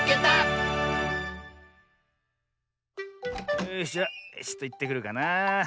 よしじゃちょっといってくるかなあ。